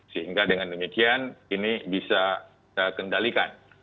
sehingga dengan demikian ini bisa kita kendalikan